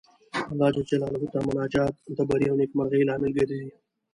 الله جل جلاله ته مناجات د بري او نېکمرغۍ لامل ګرځي.